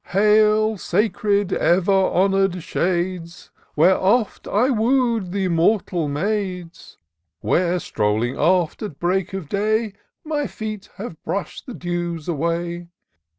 Hail ! sacred, ever honour'd shades, Where oft I woo'd th' immortal maids ; Where strolling oft, at break of day. My feet have brush'd the dews away!